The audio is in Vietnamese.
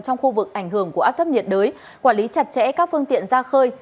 trong khu vực ảnh hưởng của áp thấp nhiệt đới quản lý chặt chẽ các phương tiện ra khơi